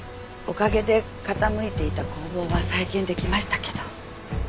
おかげで傾いていた工房は再建できましたけど。